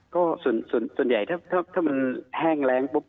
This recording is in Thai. ก็ส่วนใหญ่ถ้ามันแห้งแรงปุ๊บ